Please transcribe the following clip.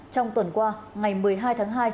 trong tuần qua ngày một mươi hai tháng hai